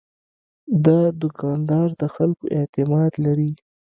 دا دوکاندار د خلکو اعتماد لري.